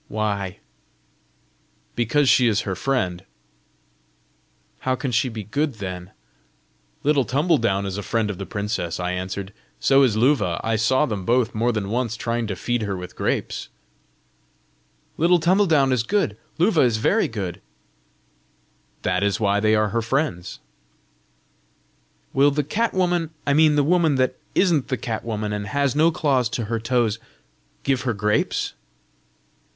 "Why?" "Because she is her friend." "How can she be good then?" "Little Tumbledown is a friend of the princess," I answered; "so is Luva: I saw them both, more than once, trying to feed her with grapes!" "Little Tumbledown is good! Luva is very good!" "That is why they are her friends." "Will the cat woman I mean the woman that isn't the cat woman, and has no claws to her toes give her grapes?"